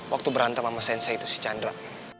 waktu berantem sama sensai itu si chandra